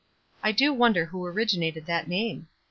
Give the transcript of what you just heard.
I do wonder who orig inated that name?